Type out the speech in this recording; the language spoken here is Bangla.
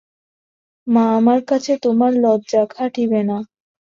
মা, আমার কাছে তোমার লজ্জা খাটিবে না।